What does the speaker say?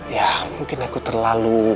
ya mungkin aku terlalu